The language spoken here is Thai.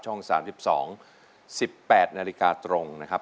๓๒๑๘นาฬิกาตรงนะครับ